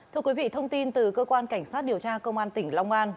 thưa quý vị thông tin từ cơ quan cảnh sát điều tra công an tỉnh long an